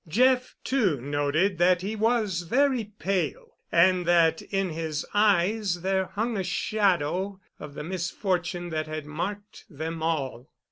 Jeff, too, noted that he was very pale and that in his eyes there hung a shadow of the misfortune that had marked them all.